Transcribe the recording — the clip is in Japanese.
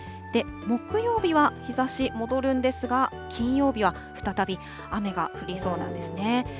木曜日は日ざし戻るんですが、金曜日は再び雨が降りそうなんですね。